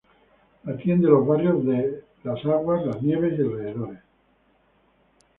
Atiende los barrios Las Aguas, Las Nieves y alrededores.